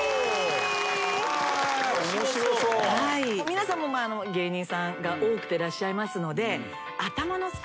皆さんも芸人さんが多くてらっしゃいますので。